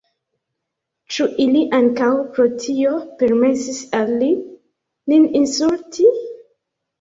Ĉu ili ankaŭ pro tio permesis al li nin insulti?